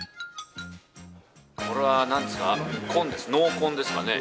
これは、なんですか、紺です、濃紺ですかね。